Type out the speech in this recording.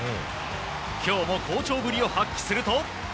今日も好調ぶりを発揮すると。